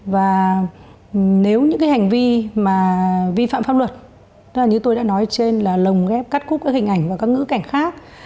và nếu những cái hành vi mà vi phạm pháp luật tức là như tôi đã nói trên là lồng ghép cắt cúp các hình ảnh và các ngữ cảnh khác